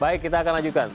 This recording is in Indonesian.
baik kita akan lanjutkan